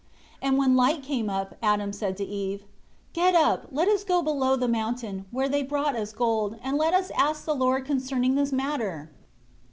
17 And when light came up, Adam said to Eve, "Get up, let us go below the mountain, where they brought us gold, and let us ask the Lord concerning this matter."